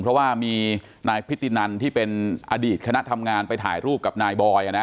เพราะว่ามีนายพิธีนันที่เป็นอดีตคณะทำงานไปถ่ายรูปกับนายบอย